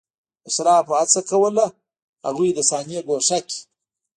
اشرافو هڅه کوله هغوی له صحنې ګوښه کړي.